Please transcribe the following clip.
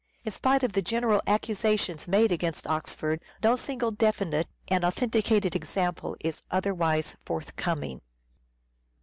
In spite of the general accusa tions made against Oxford, no single definite and authenticated example is otherwise forthcoming.